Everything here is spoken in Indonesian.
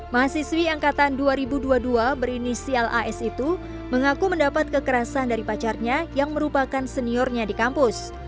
mahasiswi angkatan dua ribu dua puluh dua berinisial as itu mengaku mendapat kekerasan dari pacarnya yang merupakan seniornya di kampus